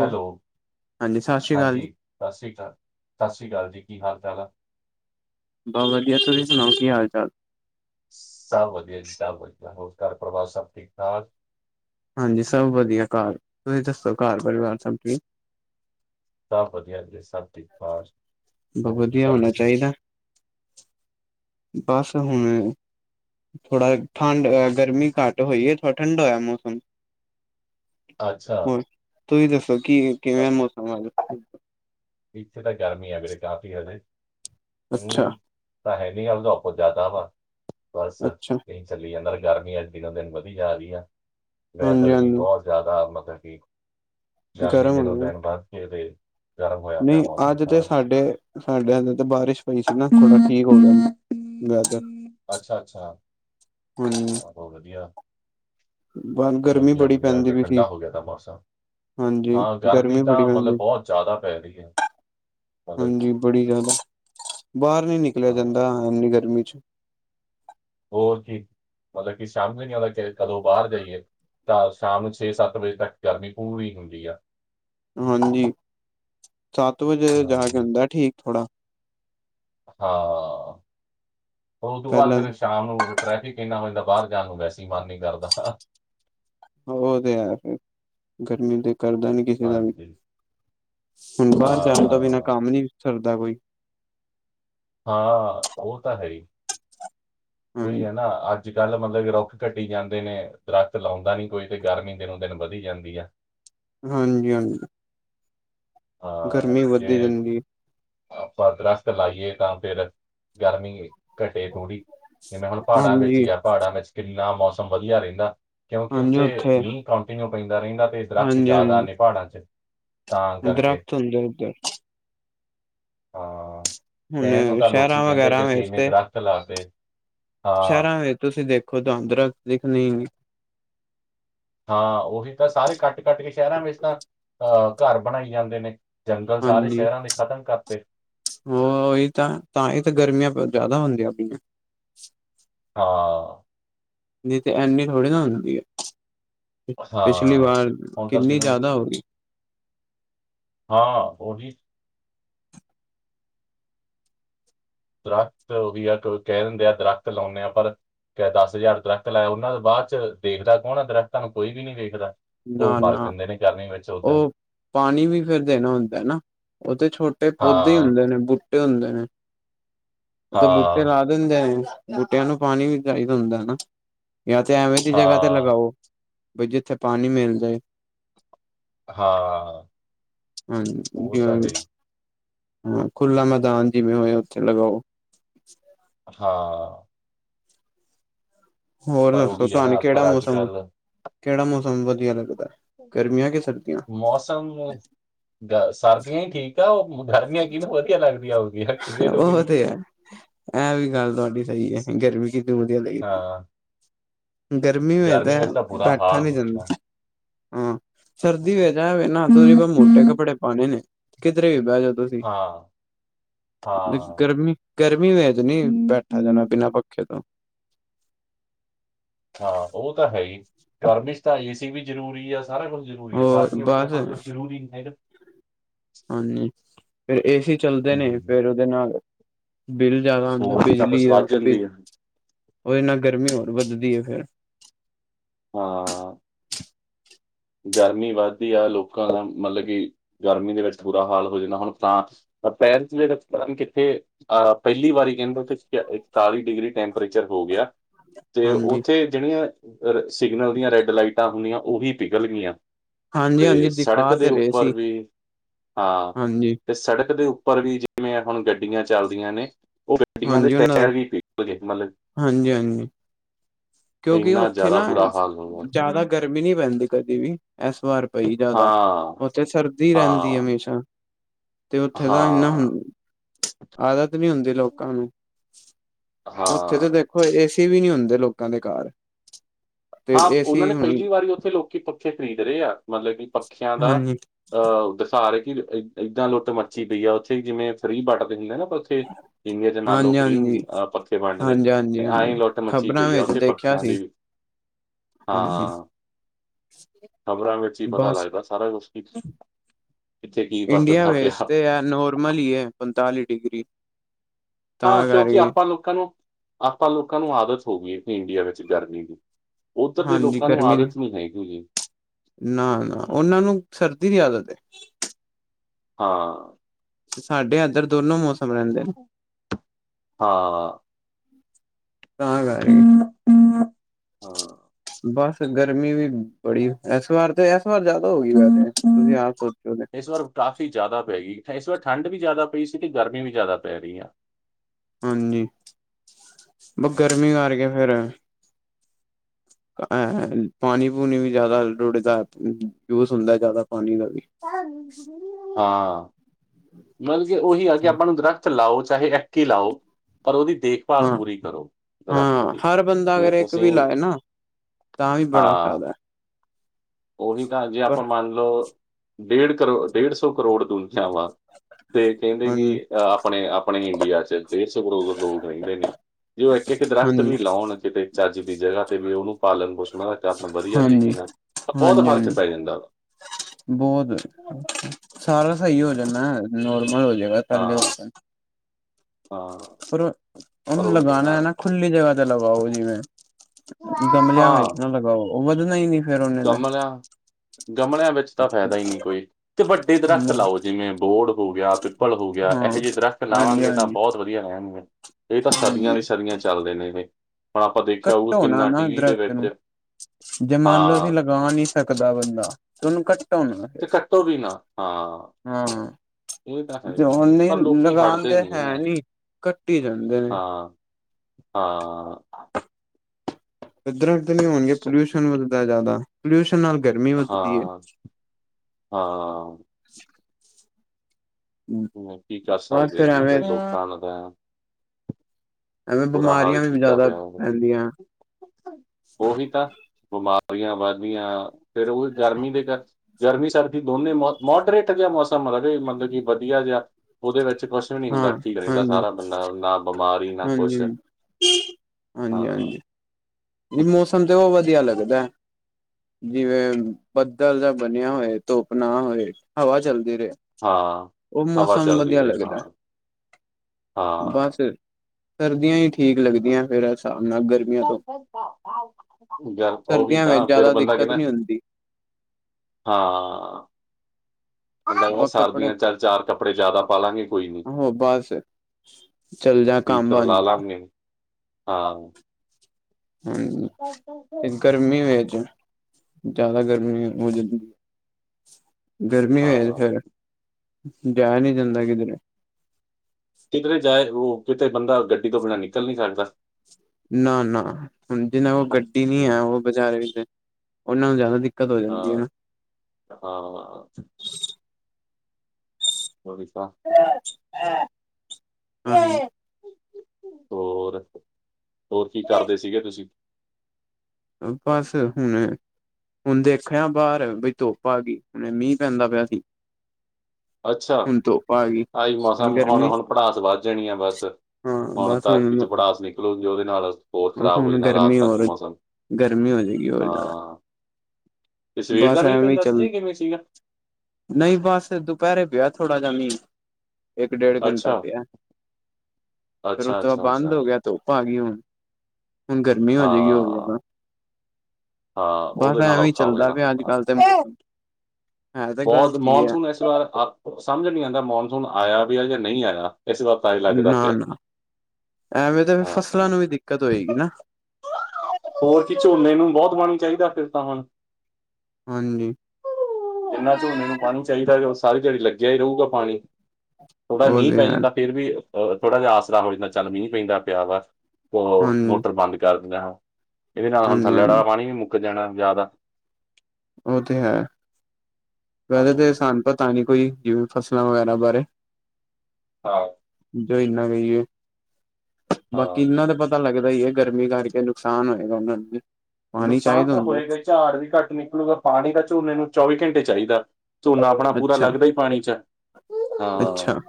Hello, ਹਾਂਜੀ ਸਤਿ ਸ਼੍ਰੀ ਅਕਾਲ ਹਾਂਜੀ, ਜੀ ਸਤਿ ਸ਼੍ਰੀ ਅਕਾਲ, ਸਤਿ ਸ਼੍ਰੀ ਅਕਾਲ ਜੀ, ਕੀ ਹਾਲ ਚਾਲ ਆ? ਬੋਤ ਵਦੀਆ, ਤੁਸੀਂ ਸੁਨਾਓ ਕੀ ਹਾਲ ਚਾਲ? ਸਭ ਵਦੀਆ ਜੀ, ਸਭ ਵਦੀਆ, ਹੋਰ ਘਰ-ਪਰਵਾਰ ਸਭ ਠੀਕ ਠਾਕ? ਹਾਂਜੀ, ਸਭ ਵਦੀਆ ਘਰ, ਤੁਸੀਂ ਦੱਸੋ ਘਰ ਪਰਿਵਾਰ ਸਭ ਠੀਕ? ਸਭ ਵਦੀਆ ਜੀ, ਸਭ ਠੀਕਠਾਕ। ਸਭ ਵਦੀਆ ਹੋਣਾ ਚਾਹੀਦਾ। ਬਸ ਹੁਨ ਥੋੜਾ ਠੰਡ ਗਰਮੀ ਘੱਟ ਹੋਈ ਏ, ਥੋੜਾ ਠੰਡਾ ਹੋਇਆ ਮੌਸਮ ਅੱਛਾ। ਤੁਹੀ ਦੱਸੋ ਕੀ ਕਿਵੇਂ ਪਤਾ- ਮੌਸਮ? ਇੱਥੇ ਤਾਂ ਗਰਮੀ ਐ ਵੀਰੇ ਕਾਫੀ, ਹਜੇ। ਅੱਛਾ ਤਾਂ ਹੈ ਨੀ [unintelligible] ਜ਼ਿਆਦਾ ਵਾ ਬਸ। ਅੱਛਾ ਚੱਲੀ ਜਾਂਦਾ, ਗਰਮੀ ਐਤਕੀ ਦਿਨੋ-ਦਿਨ ਵਦੀ ਜਾ ਰਈ ਆ, ਹਾਂਜੀ ਵੈਦਰ ਵੀ ਹਾਂਜੀ ਬੋਤ ਜ਼ਿਆਦਾ ਮਤਲਬ ਕੀ ਗਰਮੀ ਗਰਮ ਦਿਨੋਂ ਹੋ ਬੈਨਬਾਦ ਫਦੇ। ਨਹੀਂ ਅੱਜ ਤੇ ਸਾਡੇ ਸਾਡਿਆਂ ਦਾ ਤੇ ਬਾਰਿਸ਼ ਪਈ ਸੀ ਨਾ ਥੋੜਾ ਠੀਕ ਹੋ ਗਿਆ। ਬੇਤਰ। ਅੱਛਾ-ਅੱਛਾ। ਹਾਂਜੀ ਬਸ ਬਹੁਤ ਵਧੀਆ। ਬ ਗਰਮੀ ਬੜੀ ਵਧੀਆ-ਵਧੀਆ ਅੱਜ ਪੈਂਦੀ ਤਾਂ ਪਈ ਸੀ ਠੰਡਾ ਹੋ ਗਿਆ ਤਾਂ ਮੌਸਮ। ਹਾਂਜੀ ਹਾਂ ਗਰਮੀ ਤਾਂ ਬੜੀ ਮਤਲਬ ਪੈਂਦੀ ਬਹੁਤ ਜ਼ਿਆਦਾ ਪੈ ਰਹੀ ਹੈ। ਮਤਲਬ ਹਾਂਜੀ ਬੜੀ ਜ਼ਿਆਦਾ ਬਾਹਰ ਨੀ ਨਿਕਲਿਆ ਹਾਂ, ਜਾਂਦਾ ਇਨੀ ਗਰਮੀ ਚ। ਹੋਰ ਕੀ ਠੀਕ ਮਤਲਬ ਕਿ ਸਾਮਣੇ ਨੀ ਆਉਦਾ ਕਿ ਕਦੋਂ ਬਾਹਰ ਜਾਈਏ। ਤਾਂ ਸ਼ਾਮ ਨੂੰ ਛੇ ਸੱਤ ਵਜੇ ਤੱਕ ਗਰਮੀ ਪੂਰੀ ਹੁੰਦੀ ਆ। ਹਾਂਜੀ ਸੱਤ ਵਜੇ ਤੇ ਜਾ ਕੇ ਹਾਂਜੀ ਹੁੰਦਾਂ ਠੀਕ ਥੋੜਾ। ਹਾਂ ਉਹ ਤੋਂ ਬਾਅਦ ਪਹਿਲਾਂ ਫਿਰ ਸ਼ਾਮ ਨੂੰ ਟ੍ਰੈਫਿਕ ਇੰਨਾ ਹੋ ਜਾਂਦਾ ਬਾਹਰ ਜਾਣ ਨੂੰ ਵੈਸੇ ਹੀ ਮਨ ਨੀ ਕਰਦਾ। ਉਹ ਤੇ ਹੈ ਫਿਰ ਗਰਮੀ ਤੇ ਕਰਦਾ ਨੀ। ਕਿਸੇ ਦਾ ਵੀ ਹਾਂਜੀ ਹੁਣ ਬਾਹਰ ਹਾਂ ਜਾਣ ਤੋਂ ਬਿਨਾਂ ਹਾਂ ਕੰਮ ਨੀ ਕਰਦਾ ਕੋਈ‌। ਹਾਂ ਉਹ ਤਾਂ ਹੈ ਹੀ ਕੋਈ ਹਾਂਜੀ ਹੈ ਨਾ ਅੱਜ ਕੱਲ੍ਹ ਮਤਲਬ ਕਿ ਰੁੱਖ ਘਟੀ ਜਾਂਦੇ ਨੇ ਦਰੱਖਤ ਲਾਉਂਦਾ ਨੀ ਕੋਈ, ਤੇ ਗਰਮੀ ਦਿਨੋ ਦਿਨ ਵਧੀ ਜਾਂਦੀ ਆ। ਹਾਂਜੀ-ਹਾਂਜੀ। ਹਾਂ ਜੇ ਵੱਧਦੀ ਜਾਂਦੀ ਆਪਾਂ ਦਰਖਤ ਲਾਈਏ ਤਾਂ ਫੇਿਰ ਗਰਮੀ ਘਟੇ ਥੋੜੀ। ਜਿਵੇਂ ਹੁਣ ਪਹਾੜਾਂ ਵਿੱਚ ਹਾਂਜੀ ਜਾ ਪਹਾੜਾਂ ਵਿੱਚ ਕਿੰਨਾ ਮੌਸਮ ਵਧੀਆ ਰਹਿੰਦਾ ਕਿਉਂਕਿ ਉੱਥੇ ਮੀਂਹ ਕੰਟੀਨਿਊ ਪੈਂਦਾ ਰਹਿੰਦਾ ਤੇ ਦਰਖਤ ਜ਼ਿਆਦਾ ਨੇ ਪਹਾੜਾਂ ਤਾਂ ਕਰਕੇ ਦਰੱਖਤ ਹਾਂ ਹੁਣ ਕਹਿਣ ਨੂੰ ਤਾਂ ਲੋਕੀ ਸ਼ਹਿਰਾਂ ਕਹਿੰਦੇ ਵਗੈਰਾ ਕਿ ਅਸੀਂ ਵਿੱਚ ਇਨੇ ਤੇ ਦਰਥਤ ਇਤਲਾਫ਼ੇ ਸ਼ਹਿਰਾਂ ਵਿੱਚ ਤੁਸੀਂ ਦੇਖੋ ਤੁਹਾਨੂੰ ਦਰਥਤ ਦਿਖਣੇ ਨੀ। ਹਾਂ ਉਹੀ ਤਾਂ ਸਾਰੇ ਕੱਟ-ਕੱਟ ਕੇ ਸ਼ਹਿਰਾਂ ਵਿੱਚ ਤਾਂ ਅਹ ਘਰ ਬਣਾਈ ਜਾਂਦੇ ਨੇ। ਜੰਗਲ ਸਾਰੇ ਸ਼ਹਿਰਾਂ ਦੇ ਖ਼ਤਮ ਕਰਤੇ। ਹੋ ਉਹੀ ਤਾਂ, ਤਾਂ ਹੀ ਤਾਂ ਗਰਮੀਆਂ ਜ਼ਿਆਦਾ ਹੁੰਦੀਆਂ ਪਈਆਂ। ਹਾਂ। ਨਹੀਂ ਤੇ ਇਨੀ ਥੋੜ੍ਹੀ ਨਾ ਹੁੰਦੀ ਐ, ਪਿਛਲੀ ਹਾਂ ਵਾਰ ਹੁਣ ਤਾਂ ਕਿੰਨੀ ਦਿਨੋਂ ਜ਼ਿਆਦਾ ਹੋ ਗਈ। ਹਾਂ ਉਹੀ ਦਰੱਖਤ ਵੀ ਆ ਕੋਈ ਕਹਿ ਦਿੰਦੇ ਆ ਦਰੱਖਤ ਲਾਉਂਦੇ ਹਾਂ ਪਰ ਦੱਸ ਹਜ਼ਾਰ ਦਰੱਖਤ ਲਾਇਆ ਉਹਨਾਂ ਦੇ ਬਾਅਦ ਚ ਦੇਖਦਾ ਕੌਣ ਆ ਦਰੱਖਤਾਂ ਨੂੰ ਕੋਈ ਵੀ ਨੀ ਵੇਖਦਾ। ਨਾ ਉਹ ਮਰ ਨਾ ਜਾਂਦੇ ਨੇ ਘਰ ਉਹ ਪਾਣੀ ਵੀ ਫੇਰ ਦੇਣਾ ਹੁੰਦਾ ਨਾ, ਉਹ ਤੇ ਛੋਟੇ ਪੌਦੇ ਹੀ ਹਾਂ ਹੁੰਦੇ ਨੇ ਬੁ ਹੁੰਦੇ ਨੇ, ਉੱਥੇ ਬੂਟੇ ਹਾਂ ਲਾ ਦ ਬੁਟਿਆਂ ਨੂੰ ਪਾਣੀ ਵੀ ਚਾਹੀਦਾ ਹੁੰਦਾ ਹਨਾ ਜਾਂ ਤੇ ਐਵੇਂ ਦੀ ਜਗ੍ਹਾ ਹਾਂ ਲਗਾਓ ਬੀ ਜਿੱਥੇ ਪਾਣੀ ਮਿਲ ਜਾਏ ਹਾਂ ਹਾਂਜੀ ਉਹ ਤਾਂ ਜੀ। ਹੈ ਹੀ ਹਾਂ ਖੁੱਲਾ ਮੈਦਾਨ ਜੀਵੇਂ ਹੋਇਆ ਉਥੇ ਲਗਾਓ‌। ਹਾਂ। ਹੋਰ ਪਰ ਦੱਸੋ ਉਹੀ ਆ ਤੁਹਾਨੂੰ ਨਾ ਕਿਹੜਾ ਪਰ ਅੱਜ ਮੌਸਮ, ਕੱਲ ਕਿਹੜਾ ਮੌਸਮ ਵਧੀਆ ਲੱਗਦਾ। ਗਰਮੀਆਂ ਕਿ ਸਰਦੀਆਂ ਮੌਸਮ? ਸਰਦੀਆਂ ਹੀ ਠੀਕ ਆ, ਉਹ ਗਰਮੀਆਂ ਕਿਹਨੂੰ ਵਧੀਆ ਲੱਗਦੀਆਂ। ਹੋਗੀਆਂ ਕਿਸੇ ਨੂੰ ਵੀ ਉਹ ਨਹੀਂ ਤੇ ਹੈ ਇਹ ਵੀ ਗੱਲ ਤੁਹਾਡੀ ਸਹੀ ਹੈ ਗਰਮੀ ਕਿੱਦਨੀ ਵਧੀਆ ਲੱਗਦੀ। ਹਾਂ ਗਰਮੀ ਵੇਚ ਤੇ ਵਿੱਚ ਤਾਂ ਬੁਰਾ ਬੈਠਾ ਹਾਲ ਨੀ ਹੁੰਦਾ ਜਾਂਦਾ। ਹਾਂ, ਸਰਦੀ ਵੇ ਨਾ ਵੇਖਨਾ ਹੋ ਤੂਸੀ ਨਾ ਮੋਟੇ ਕੱਪੜੇ ਪਾਨੇ ਨੇ। ਕਿਦਰੇ ਵੀ ਬ੍ਹੈ ਜੋ ਤੁਸੀ, ਹਾਂ ਹਾਂ [unintelligible] ਹਾਂ ਗਰਮੀ ਗਰਮੀ ਵੇਚ ਨੀ ਬੈਠਾ ਜਾਨਾ ਬਿਨਾਂ ਪੱਖੇ ਤੋਂ। ਹਾਂ ਓ ਤਾਂ ਹੈ ਈ, ਗਰਮੀ ਚ ਤਾਂ ਏਸੀ ਵੀ ਜਰੂਰੀ ਆ ਸਾਰਾ ਕੋ ਜਰੂਰੀ ਆ ਹੋਰ ਸਰਦੀਆਂ ਵਿੱਚ ਬਸ ਆਪਾਂ ਨੂੰ ਕੋਛ ਜਰੂਰੀ ਨੀ ਹੈਗਾ ਹਾਂਜੀ, ਫੇਰ ਏਸੀ ਚੱਲਦੇ ਨੇ ਹੂੰ। ਫੇਰ ਓਦੇ ਨਾਲ ਬਿੱਲ ਜਾਦਾ ਆਂਦਾ ਹੋਰ ਤਾਂ ਬਿਜਲੀ ਬਸ ਦਾ ਵੱਧ ਜਾਂਦੀ ਬਿੱਲ, ਆ ਓਏ ਦੇ ਨਾਲ ਗਰਮੀ ਹੋਰ ਵੱਦਦੀ ਐ ਫੇਰ। ਹਾਂ। ਗਾਰਮੀ ਵੱਦਦੀ ਆ ਲੋਕਾਂ ਦਾ ਮਤਲਬ ਕਿ, ਗਰਮੀ ਦੇ ਵਿੱਚ ਬੁਰਾ ਹਾਲ ਹੋ ਜਾਂਦਾ ਹੋਣ ਫ੍ਰਾਂਸ ਪਰ [unintelligible] ਕਿੱਥੇ ਅ ਪੈਲੀ ਵਾਰੀ ਕੈਂਦੇ ਓਥੇ [unintelligible] ਇਕਤਾਲੀ ਡਿਗਰੀ ਟੈਂਪਰੇਚਰ ਹੋ ਗੇਆ। ਤੇ ਹਾਂਜੀ। ਓਥੇ, ਜੇੜੀਆਂ ਅ ਸਿਗਨਲ ਦੀਆਂ ਰੈੱਡ ਲਾਈਟਾਂ ਹੁੰਦੀਆਂ ਓਹੀ ਪਿਘਲ ਗੀਆਂ। ਹਾਂਜੀ ਤੇ ਹਾਂਜੀ ਸੜਕ ਦਿਖਾ ਦੇ ਤੇ ਰਹੇ ਉੱਪਰ ਸੀ ਵੀ, ਹਾਂ ਹਾਂਜੀ ਤੇ ਸੜਕ ਦੇ ਉੱਪਰ ਵੀ ਜਿਵੇਂ ਹੋਣ ਗੱਡੀਆਂ ਚੱਲਦੀਆਂ ਨੇ, ਓ ਗੱਡੀਆਂ ਦੇ ਟੈਰ ਵੀ ਪੀ [unintelligible] ਮਲ ਹਾਂਜੀ-ਹਾਂਜੀ। ਕੇਓਕਿ ਇੰਨਾ ਓਥੇ ਜ਼ਿਆਦਾ ਨਾ ਬੁਰਾ ਹਾਲ ਹੋ ਗਿਆ ਜਾਦਾ ਗਰਮੀ ਨੀ ਪੈਂਦੀ ਕਦੀ ਵੀ। ਐਸ ਵਾਰ ਪਈ ਜਾਦਾ, ਹਾਂ ਓਥੇ ਸਰਦੀ ਰੈਂਦੀ ਹਾਂ ਹਮੇਸ਼ਾ। ਤੇ ਓਥੇ ਦਾ ਨਾ ਹਾਂ ਹੁੰਨ, ਆਦਤ ਨੀ ਹੁੰਦੀ ਲੋਕਾਂ ਨੂੰ। ਓਥੇ ਤਾਂ ਹਾਂ ਦੇਖੋ ਏ ਸੀ ਵੀ ਨੀ ਹੁੰਦੇ ਲੋਕਾਂ ਦੇ ਘਾਰ। ਹਾਂ, ਓਨਾਂ ਨੇ ਪੈਲੀ ਵਾਰੀ ਓਥੇ ਲੋਕੀ ਪੱਖੇ ਖਰੀਦ ਰੇ ਆ, ਮਤਲਬ ਕਿ ਪੱਖੇਆਂ ਦਾ ਹਾਂਜੀ ਅ, ਦਸਾਰੇ ਕਿਲ ਐ, ਐਦਾਂ ਲੁੱਟ ਮੱਚੀ ਪਈ ਆ ਓਥੇ ਜਿਵੇਂ ਫ੍ਰੀ ਬੱਟ ਦੇ ਹੁੰਨੇ ਆ ਨਾ ਓਥੇ। ਇੰਡੀਆ ਚ' ਮੰਨ ਲੋ ਹਾਂਜੀ ਫ੍ਰੀ ਹਾਂਜੀ ਅ ਪੱਖੇ ਵੰਡਦੇ, ਹਾਂਜੀ ਹਾਂਜੀ ਆਏਂ ਹਾਂਜੀ ਲੁੱਟ ਮੱਚੀ ਖ਼ਬਰਾਂ ਪਈ ਆ ਵਿੱਚ ਓਥੇ ਦੇਖਿਆ ਪੱਖੇਆਂ ਦੀ ਵੀ। [inaudible] ਹਾਂਜੀ ਹਾਂ-ਹਾਂ, ਖਬਰਾਂ ਵਿੱਚ ਈ ਪਤਾ ਬਸ ਲੱਗਦਾ ਸਾਰਾ ਕੁਸ ਈ। ਇੱਥੇ ਕੀ ਇੰਡੀਆ ਵਰਤਦਾ ਵਿੱਚ ਪੇਆ। ਤੇ ਇਹ ਨੋਰਮਲ ਈ ਏ ਪੰਤਾਲੀ ਡਿਗਰੀ। ਹਾਂ, ਤਾਂ ਕੇਓਕਿ ਕਰਕੇ ਆਪਾਂ ਲੋਕਾਂ ਨੂੰ, ਆਪਾਂ ਲੋਕਾਂ ਨੂੰ ਆਦਤ ਹੋ ਗਈ ਏ ਇੰਡੀਆ ਵਿੱਚ ਗਰਮੀ ਦੀ। ਓਦਰ ਦੇ ਹਾਂਜੀ ਲੋਕਾਂ ਨੂੰ ਆਦਤ ਨੀ ਹੋਗੀ ਜੀ। ਨਾ-ਨਾ, ਓਨਾਂ ਨੂੰ ਸਰਦੀ ਨੀ ਆਦਤ ਏ। ਹਾਂ। ਸਾਡੇ ਐਦਰ ਦੋਨੋ ਮੌਸਮ ਰੈਂਦੇ ਨ। ਹਾਂ। ਤਾਂ ਕਾਰ ਕੇ। ਹਾਂ ਬੱਸ ਗਰਮੀ ਵੀ, ਬੜੀ ਐਸ ਵਾਰ ਤੇ ਐ ਬੋ ਜਾਦਾ ਹੋ ਗੀ ਵੈਸੇ, ਤੁਸੀਂ ਆਪ ਸੋਚੋ ਤੇ। ਕਾਫ਼ੀ ਜਾਦਾ ਪੈ ਗੀ, ਐਸ ਵਾਰ ਠੰਡ ਵੀ ਜਾਦਾ ਪਈ ਸੀ ਤੇ ਗਰਮੀ ਵੀ ਜਾਦਾ ਪੈ ਰਈ ਆ। ਹਾਂਜੀ, ਬ ਗਰਮੀ ਕਾਰ ਕੇ ਫੇਰ ਐ, ਪਾਨੀ-ਪੂਨੀ ਵੀ ਜਾਦਾ ਰੂੜਦੈ, ਯੂਜ ਹੁੰਦਾ ਜਾਦਾ ਪਾਨੀ ਦਾ ਵੀ। ਹਾਂ। ਮਲਬ ਕਿ ਓਹੀ ਐ ਕਿ ਆਪਾਂ ਨੂੰ ਦਰਖਤ ਲਾਓ ਚਾਹੇ ਐਕੀ ਲਾਓ, ਪਰ ਓਦੀ ਦੇਖ ਭਾਲ਼ ਹਾਂ ਪੂਰੀ ਕਰੋ ਦਰਖਤ ਹਾਂ ਦੀ, ਹਰ ਜਿਵੇਂ ਤੁਸੀਂ ਤਾਂਵੀ ਬੜਾ ਫੈਦਾ ਐ। ਓਹੀ ਤਾਂ ਜੇ ਆਪਾਂ ਮੰਨਲੋ ਡੇਢ ਕਰੋੜ, ਡੇਢ ਸੌ ਕਰੋੜ ਦੁਜਾ ਵਾਂ, ਤੇ ਕਹਿੰਦੇ ਹਾਂਜੀ ਕਿ ਅ ਆਪਣੇ -ਆਪਣੇ ਇੰਡੀਆ ਚ' ਡੇਢ ਸੌੋ ਲੋਕ ਰਹਿੰਦੇ ਨੇ, ਜੇ ਉਹ ਇੱਕ ਦਰਖਤ ਹਾਂਜੀ ਵੀ ਲਾਉਣ ਕਿਤੇ ਚੱਜ ਦੀ ਜਗ੍ਹਾ ਤੇ ਵੀ, ਉਹਨੂੰ ਪਾਲਣ- ਪੋਸ਼ਣ ਉਹਦਾ ਕਰਨਨ ਵਧੀਆ ਹਾਂਜੀ ਤਰੀਕੇ ਨਾਲ, ਬਹੁਤ ਹਾਂਜੀ ਫ਼ਰਕ ਹਾਂਜੀ ਪੈ ਜਾਂਦਾ ਵਾ। ਬਹੁਤ, ਸਾਰਾ ਸਹੀ ਹੋ ਹਮ, ਜਾਂਨਾ ਐ, ਨੋਰਮਲ ਹੋ ਜੇਗਾ। ਕਰ ਲਉ। ਹਾਂ, [unintelligible] ਹਾਂ। ਪਰ, ਉਹਨੂੰ ਲਗਾਨਾ ਹੈ ਨਾ, ਖੁੱਲੀ ਜਗ੍ਹਾ। ਲਗਾਓ ਜਿਵੇਂ, ਗਮਲਿਆਂ ਵਿੱਚ ਹਾਂ, ਨਾ ਲਗਾਓ, ਉਹ ਵੱਧਣਾ ਹੀ ਨੀ। ਫੇਰ ਉਹਨੇ ਤੇ ਗਮਲਿਆਂ, ਗਮਲਿਆਂ ਵਿੱਚ ਤਾਂ ਫਾਇਦਾ ਹੀ ਨਹੀਂ ਕੋਈ। ਤੇ ਵੱਡੇ ਦਰੱਖਤ ਲਾਓ ਜਿਵੇਂ, ਬੋਰਡ ਹੋ ਬਹੁਤ ਬਹੁਤ ਬਡੇ ਦਰਖਤ ਲਾਉ, ਜਿਵੇਂ ਬੋੜ ਹੋ ਗਿਆ, ਪਿੱਪਲ ਹੋ ਗਿਆ, ਹਾਂ ਇਹੋ ਜਿਹੇ ਦਰੱਖਤ ਹਾਂਜੀ ਲਾਵਾਂਗੇ ਤਾਂ ਹਾਂਜੀ ਬਹੁਤ ਵਧੀਆ‌ ਰਹਿਣਗੇ। ਇਹ ਤਾਂ, ਸਦੀਆਂ ਵੀ ਹਾਂਜੀ ਸਦੀਆਂ ਚੱਲਦੇ ਨੇ ਬਈ। ਹੁਣ ਆਪਾਂ ਦੇਖਿਆ ਹੋਊਗਾ, ਕੱਟੋ ਨਾ ਕਿੰਨਾ ਨਾ ਟੀ ਵੀ ਦੇ ਦਰਖਤ ਵਿੱਚ, ਹਾਂ। ਲਾ ਨਹੀਂ ਸਕਦਾ ਬੰਦਾ, ਉਹਨੂੰ ਕੱਟ ਨਾ ਦੇ ਤੇ ਕੱਟੋ ਵੀ ਨਾ ਹਾਂ ਹਾਂ। ਇਹ ਤਾਂ ਹੈ ਜੇ ਹੀ। ਔਨੇ ਪਰ ਲੋਕੀ ਹਟਦੇ ਲਗਾਉਦੇ ਹੈ ਨਾ ਨਹੀਂ, ਕੱਟੀ ਜਾਂਦੇ ਨੇ। ਹਾਂ ਹਾਂ। ਦਰਖਤ ਨਹੀਂ ਹੋਣਗੇ, ਸ- ਪੋਲਿਊਸ਼ਨ ਵੱਧਦਾ ਜ਼ਿਆਦਾ, ਪੋਲਿਊਸ਼ਨ ਨਾਲ ਗਰਮੀ ਵੱਧਦੀ ਏ। ਹਾਂ ਹਾਂ। ਹੋਰ ਕੀ ਕਰ ਬਸ ਸਕਦੇ ਫਿਰ ਆ, ਐਵੇਂ ਮਤਲਬ ਲੋਕਾਂ ਦਾ ਤਾਂ ਐ। ਐਵੇਂ, ਹਾਲ ਬਿਮਾਰੀਆਂ ਵੀ ਕੀਤਾ ਜ਼ਿਆਦਾ ਪਿਆ ਉਹ। ਪੈਂਦੀਆਂ। ਉਹੀ ਤਾਂ, ਬਿਮਾਰੀਆਂ ਵਧਦੀਆਂ ਫੇਰ ਉਹ ਗਰਮੀ, ਵਿਚ ਗਰਮੀ ਸਰਦੀ ਦੋਨੇ ਮੋਡਰੇਟ ਰਹੇਆ ਮੌਸਮ ਰ ਮਤਲਬ ਕਿ ਵਧੀਆ ਜਿਹਾ, ਉਹਦੇ ਵਿੱਚ ਕੁਛ ਕੁਛ ਵੀ ਨੀ ਹੁੰਦਾ, ਹਾਂ ਠੀਕ ਰਹਿੰਦਾ, ਸਾਰਾ ਬੰਦਾ ਨਾ ਬਿਮਾਰੀ ਨਾ ਹੂੰ, ਕੁਝ ਹਾਂ ਹਾਂਜੀ-ਹਾਂਜੀ। ਜ ਮੌਸਮ ਤੇ ਉਹ ਵਧੀਆ ਲੱਗਦਾ ਜਿਵੇਂ ਬੱਦਲ ਜਾਂ ਬਣਿਆ ਹੋਏ, ਧੁੱਪ ਨਾ ਹੋਏ, ਹਵਾ ਚੱਲਦੀ ਰਹੇ। ਹਾਂ ਉਹ ਹਵਾ ਮੌਸਮ ਚੱਲਦੀ ਵਧੀਆ ਰਹੇ ਲੱਗਦਾ। ਹਾਂ ਹਾਂ ਬੱਸ। ਸਰਦੀਆਂ ਹੀ ਠੀਕ ਲੱਗਦੀਆਂ ਨੇ, ਮੇਰੇ ਹਿਸਾਬ ਨਾਲ। ਗਰਮ ਉਹ ਵੀ ਸਰਦੀਆਂ ਵਿੱਚ ਤਾਂ ਫਿਰ ਜ਼ਿਆਦਾ ਬੰਦਾ ਦਿੱਕਤ ਕਹਦਾ ਨਹੀਂ [unintelligible] ਹੁੰਦੀ ਹਾਂ। ਲੋ ਬ ਕੱਪੜੇ ਸਰਦੀਆਂ ਚ ਚਾਰ ਕੱਪੜੇ ਜਿਆਦਾ ਪਾਾਲਾਂਗੇ, ਕੋਈ ਨੀ। ਹੋ ਬੱਸ। ਹੀਟਰ ਲਾ ਲਾਂਗੇ। ਹਾਂ। ਹਮ। ਇਸ ਕਰ [unintelligible] ਗਰਮੀ ਹੋਏ ਚ, ਜ਼ਿਆਦਾ ਗਰਮੀ ਹੋ ਜਾਂਦੀ। ਗਰਮੀ ਹੋਏ ਹਾਂ ਫਿਰ। ਜਾਇਆ ਨਹੀਂ ਜਾਂਦਾ ਕਿਧਰੇ। ਕਿਧਰੇ ਜਾਏ ਉਹ, ਕਿਤੇ ਬੰਦਾ ਗੱਡੀ ਤੋਂ ਬਿਨਾਂ ਨਿਕਲ ਨੀ ਸਕਦਾ। ਨਾ-ਨਾ, ਹੁਣ ਜਿਹਨਾਂ ਕੋਲ ਗੱਡੀ ਨੀ ਹੈ, ਹੂੰ, ਉਹ ਬਚਾਰੇ ਵਿੱਤੇ ਉਹਨਾਂ ਨੂੰ ਜ਼ਿਆਦਾ ਦਿਕ ਹਾਂ। ਹਾਂ। ੜਸਾ। [unintelligible] [unintelligible] ਹੋਰ। ਹੋਰ ਕੀ ਕਰਦੇ ਸੀਗੇ, ਤੁਸੀਂ? ਬੱਸ ਹੁਣੇ ਹੁਣ ਦੇਖਿਆ ਬਾਹਰ, ਬਈ ਧੁੱਪ ਆ ਗਈ। ਹੁਣੇ ਮੀਂਹ ਪੈਂਦਾ ਪਿਆ ਸੀ। ਅੱਛਾ। ਹੁਣ ਧੁੱਪ ਆ ਗਈ ਆਈ ਮੌਸਮ ਹੁਣ, ਗਰਮੀ ਹੁਣ ਪੜਾਸ ਵੱਧ ਜਾਣੀ ਆ ਬੱਸ। ਹਾਂ ਹੁਣ ਬਸ ਧਰਤੀ ਚ ਬੜਾਸ ਨਿਕਲੂਗੀ, ਉਹਦੇ ਨਾਲ ਹੋਰ ਖ਼ਰਾਬ ਹੋ ਹੁਣ ਜਾਣਾ, ਰਾਤ ਗਰਮੀ ਤੱਕ ਹੋਰ ਮੌਸਮ। ਗਰਮੀ ਹੋ ਜੇਗੀ ਹੋਰ ਜਾਦਾ। ਹਾਂ, ਤੇ ਸਵੇਰ ਦਾ ਮੀਂ ਪੈਂਦਾ ਸੀਗਾ ਯਾਂ ਕਿਵੇਂ ਸੀਗਾ? ਨਈ ਬਸ ਦੋਪੈਰੇ ਪਯਾ ਥੋੜ੍ਹਾ ਜੇਆ ਮੀਂ। ਇੱਕ-ਡੇਢ ਘੰਟਾ ਅੱਛਾ ਪਯਾ ਫੇਰ ਉਸ ਅੱਛਾ ਬਾਦ ਅੱਛਾ ਅੱਛਾ ਬੰਦ ਹੋ ਗਯਾ ਧੁੱਪ ਆਗੀ ਹੁਣ। ਹੁਣ ਗਰਮੀ ਹੋ ਜੇਗੀ ਹੋਰ ਹਾਂ ਜਾਦਾ, ਹਾਂ ਬਸ ਉਹਦੇ ਨਾਲ ਐਵੇਂ ਈ ਔਖਾ ਹੋ ਚੱਲਦਾ ਜਾਣਾ ਪਯਾ ਹੁਣ ਅੱਜ-ਕੱਲ। ਤੇ [unintelligible] ਹੈ ਤੇ ਬੋਤ ਗ਼ਲਤ ਹੀ ਹੈ ਮੋਨਸੂਨ ਇਸ ਵਾਰ ਆ ਸਮਝ ਨੀ ਆਂਦਾ ਮੌਨਸੂਨ ਆਯਾ ਵੀ ਯਾਂ ਨਈ ਆਯਾ ਇਸ ਵਾਰ ਤੇ ਐ ਲੱਗਦਾ ਨਾ ਪਯਾ। ਨਾ ਐਵੇਂ ਤੇ ਫੇਰ ਫਸਲਾਂ ਨੂੰ ਵੀ ਦਿੱਕਤ ਹੋਏਗੀ ਨਾ। ਹੋਰ ਕੀ ਝੋਨੇ ਨੂੰ ਬੈਤ ਪਾਣੀ ਚਾਇਦਾ ਫਿਰ ਤਾਂ ਹੁਣ। ਹਾਂਜੀ। ਜਿੰਨਾ ਝੋਨੇ ਨੂੰ ਪਾਨੀ ਚਾਇਦਾ ਵੇ ਓ ਸਾਰੀ ਦਆੜੀ ਲੱਗਿਆ ਈ ਰਹੂਗਾ ਪਾਨੀ। ਥੋੜ੍ਹਾ ਉਹ ਮੀਂ ਤੇ ਪੈ ਹੈ ਜਾਂਦਾ ਫੇਰ ਵੀ ਅਹ ਥੋੜਾ ਜੇਆ ਆਸਰਾ ਹੋ ਜਾਂਦਾ ਚੱਲ ਮੀਂ ਪੈਂਦਾ ਪਯਾ ਵਾ। ਓ ਹਾਂਜੀ ਮੋਟਰ ਬੰਦ ਕਰ ਦਿੰਦਾ ਹਾ ਏਦੇ ਨਾਲ ਹੁਣ ਹਾਂਜੀ ਥੱਲੜਾ ਹਾਂਜੀ ਵਾਲਾ ਪਾਨੀ ਵੀ ਮੁੱਕ ਜਾਣਾ ਜਾਦਾ। ਓ ਤੇ ਹੈ। ਹਾਂ ਵੈਸੇ ਤੇ ਸਾਨੂੰ ਪਤਾ ਨੀ ਕੋਈ ਜਿਵੇਂ ਫਸਲਾਂ ਵਗੈਰਾ ਬਾਰੇ ਹਾਂ। ਜੋ ਇੰਨਾ ਵੀ ਏ। ਬਾਕੀ ਇਨਾਂ ਹਾਂ ਤੇ ਪਤਾ ਲੱਗਦਾ ਈ ਏ ਗਰਮੀ ਕਾਰਕੇ ਨੁਕਸਾਨ ਹੋਏਗਾ ਓਨਾਂ ਨੂੰ ਵੀ। ਪਾਨੀ ਨੁਕਸਾਨ ਚਾਇਦਾ ਤਾਂ ਹੁੰਦਾ। ਹੋਏਗਾ ਹੀ, ਝਾੜ ਵੀ ਘੱਟ ਨਿਕਲੂਗਾ। ਪਾਨੀ ਤਾ ਝੋਨੇ ਨੂੰ ਚੌਵੀ ਘੰਟੇ ਚਾਇਦਾ। ਝੋਨਾ ਆਪਣਾ ਪੂਰਾ ਅੱਛਾ ਲੱਗਦਾ ਈ ਪਾਨੀ ਚ ਆ ਹਾਂ ਅੱਛਾ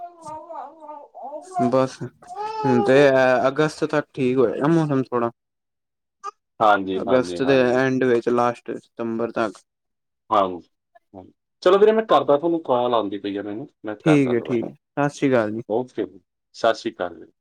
ਬਸ ਹੁਣ ਤੇ ਐ ਅਗਸਤ ਤੱਕ ਠੀਕ ਹੋਏਗਾ ਮੌਸਮ ਥੋੜਾ। ਹਾਂਜੀ, ਹਾਂਜੀ, ਅਗਸਤ ਦੇ ਹਾਂਜੀ, ਐਂਡ ਵਿੱਚ ਲਾਸਟ ਸਤੰਬਰ ਤੱਕ ਹਾਂ-ਹਾ ਚਲੋ ਵੀਰੇ ਮੈਂ, ਕਰਦਾ ਤੁਆਨੂੰ ਕੋਲ ਆਂਦੀ ਪਈ ਆ ਮੈਨੂੰ। ਮੈਂ ਕਰਦਾ ਠੀਕ ਹੈ ਠੀਕ ਦੋਬਾਰਾ ਹੈ, ਸਤਿ ਸ੍ਰੀ ਅਕਾਲ ਜੀ ਓਕੇ ਜੀ ਸਾਸ ਸ਼੍ਰੀ ਕਾਲ ਜੀ।